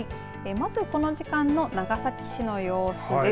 まずこの時間の長崎市の様子です。